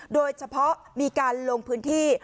โดยเฉพาะมีการลงพื้นที่